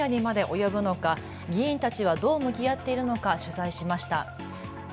なぜ深夜にまで及ぶのか議員たちはどう向き合っているのか取材しました。